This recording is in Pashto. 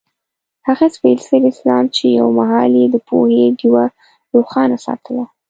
هغه سپېڅلی اسلام چې یو مهال یې د پوهې ډېوه روښانه ساتله.